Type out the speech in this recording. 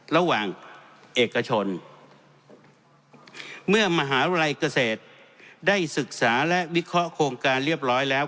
ระหว่างเอกชนเมื่อมหาวิทยาลัยเกษตรได้ศึกษาและวิเคราะห์โครงการเรียบร้อยแล้ว